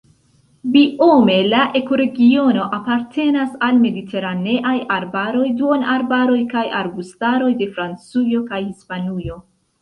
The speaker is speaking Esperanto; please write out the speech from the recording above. Biome la ekoregiono apartenas al mediteraneaj arbaroj, duonarbaroj kaj arbustaroj de Francujo kaj Hispanujo.